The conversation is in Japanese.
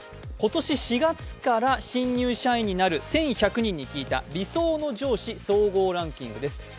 今年４月から新入社員になる１１００人に聞いた理想の上司総合ランキングです。